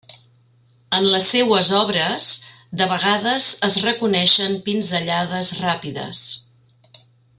En les seues obres, de vegades, es reconeixen pinzellades ràpides.